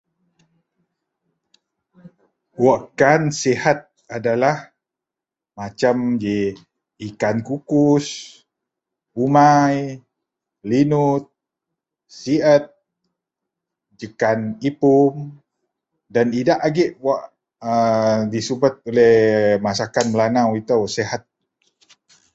Wakkan sihat adalah macem jekan kan kukus, pipus umai, linut, sa'et, ikan dan jegam ikan ipoung dan idak agei ji ageiwak wakdubat